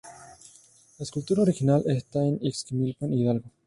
La escultura original esta en Ixmiquilpan, Hidalgo.